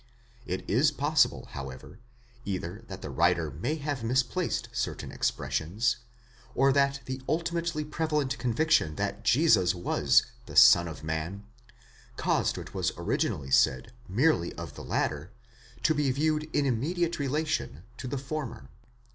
It is possible, however, either that the writer may have misplaced certain expressions, or that the ultimately prevalent conviction that Jesus was the Son of Man caused what was originally said merely of the latter, to be viewed in immediate relation to the former.